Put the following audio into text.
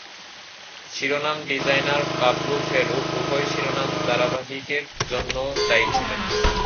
শিরোনাম designer Pablo Ferro উভয় শিরোনাম ধারাবাহিকের জন্য দায়ী ছিলেন।